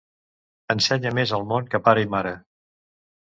Ensenya més el món que pare i mare